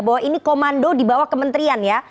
bahwa ini komando dibawa kementerian ya